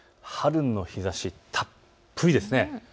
春の日ざし、たっぷりですね。